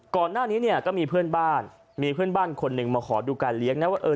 ก่อนหน้านี้เนี่ยก็มีเพื่อนบ้านมีเพื่อนบ้านคนหนึ่งมาขอดูการเลี้ยงนะว่าเออ